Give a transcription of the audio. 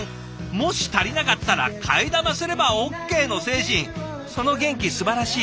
もし足りなかったら「替え玉すればＯＫ」の精神その元気すばらしい。